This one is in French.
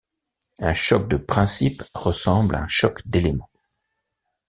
Un choc de principes ressemble à un choc d’éléments.